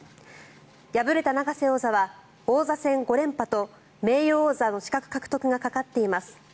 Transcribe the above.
敗れた永瀬王座は王座戦５連覇と名誉王座の資格獲得がかかっています。